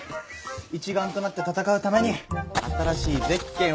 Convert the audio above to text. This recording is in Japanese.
一丸となって戦うために新しいゼッケンを作ろうって。